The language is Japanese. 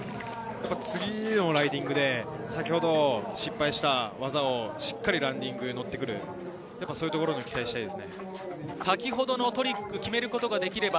次のライディングで、先ほど失敗した技をしっかりライディングに乗ってくる、そういうところに期待したいです。